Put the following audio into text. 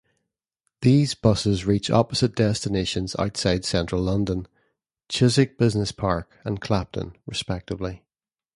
These buses reach opposite destinations outside central London: Chiswick Business Park and Clapton respectively.